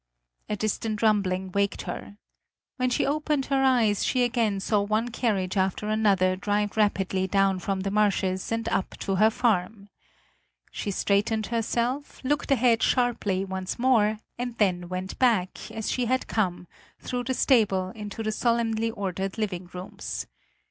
A distant rumbling waked her. When she opened her eyes, she again saw one carriage after another drive rapidly down from the marshes and up to her farm. She straightened herself, looked ahead sharply once more and then went back, as she had come, through the stable into the solemnly ordered living rooms.